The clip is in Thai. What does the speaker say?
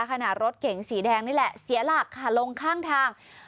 ขณะรถเก๋งสีแดงนี่แหละเสียหลักค่ะลงข้างทาง